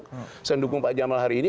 saya dukung pak jamal hari ini